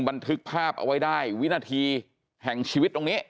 บันทึกภาพเอาไว้ได้วินาทีแห่งชีวิตตรงนี้